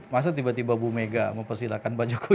masa tiba tiba bu mega mempersilahkan pak jokowi